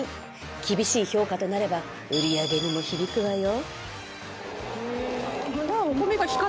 厳しい評価となれば売り上げにも響くわよ。